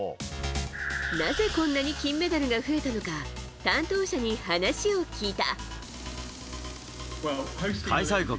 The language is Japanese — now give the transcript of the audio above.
なぜこんなに金メダルが増えたのか担当者に話を聞いた。